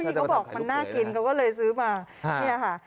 ที่เขาบอกมันน่ากินเขาก็เลยซื้อมาเนี่ยค่ะ